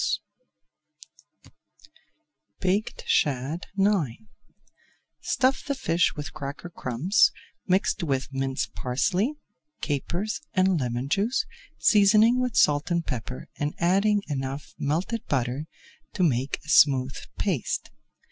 [Page 329] BAKED SHAD IX Stuff the fish with cracker crumbs, mixed with minced parsley, capers, and lemon juice, seasoning with salt and pepper, and adding enough melted butter to make a smooth paste.